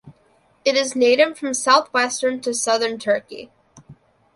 It is native from southwestern to southern Turkey.